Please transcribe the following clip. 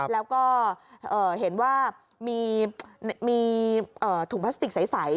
แล้วก็เห็นว่ามีถุงพลาสติกใส